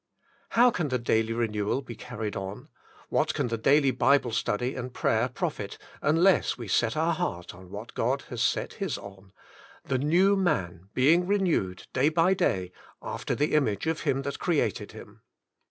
How can the daily renewal be carried on, what can the daily Bible study and prayer profit, unless we set our heart on what God has set His on, — THE New Man Being Renewed Day by Day AFTER THE ImAGE OF HiM ThAT CREATED HiM.